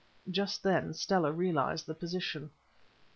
Just then Stella realized the position.